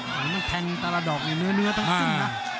มันแทงตลาดอกอยู่เนื้อตั้งสินะ